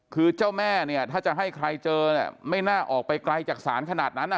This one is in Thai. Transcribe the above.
คือเจ้าแม่เนี่ยถ้าจะให้ใครเจอเนี่ยไม่น่าออกไปไกลจากศาลขนาดนั้น